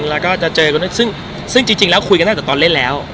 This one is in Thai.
แล้วก็จะเจอซึ่งจริงแล้วคุยกันตั้งแต่ตอนเล่นแล้ว